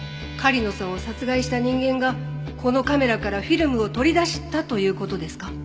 狩野さんを殺害した人間がこのカメラからフィルムを取り出したという事ですか？